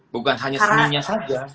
bukan hanya semuanya saja